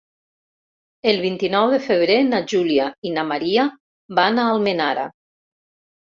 El vint-i-nou de febrer na Júlia i na Maria van a Almenara.